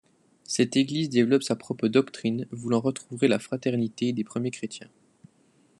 Cette Église développe sa propre doctrine, voulant retrouver la fraternité des premiers chrétiens.